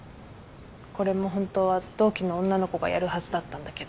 これも本当は同期の女の子がやるはずだったんだけど。